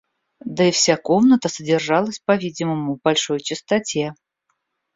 Да и вся комната содержалась, по-видимому, в большой чистоте.